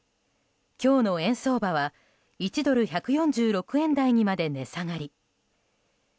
今日の円相場は１ドル＝１４６円台にまで値下がり。